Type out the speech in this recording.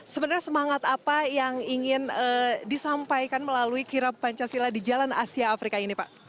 sebenarnya semangat apa yang ingin disampaikan melalui kirap pancasila di jalan asia afrika ini pak